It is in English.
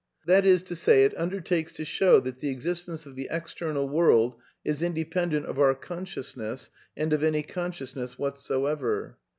That is to say, it undertakes to show that the existence of the external world is independent of our consciousness and of any con sciousness whatsoever.